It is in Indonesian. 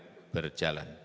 dan kita akan berjalan